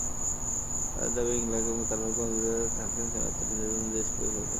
তাদের দাবি, ইংলাক তাঁর ভাই ক্ষমতাচ্যুত সাবেক থাকসিন সিনাওয়াত্রার নির্দেশমতো দেশ পরিচালনা করছেন।